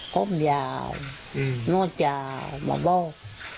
คมยาวนวดยาวมาบอก